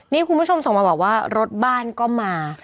นี่คุณผู้ชมส่งมาบอกว่ารถบ้านก็มา